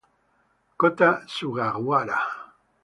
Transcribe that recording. Kota Sugawara